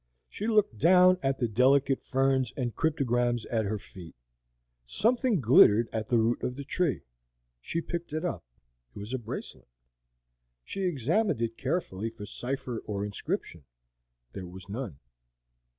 She looked down at the delicate ferns and cryptogams at her feet. Something glittered at the root of the tree. She picked it up; it was a bracelet. She examined it carefully for cipher or inscription; there was none.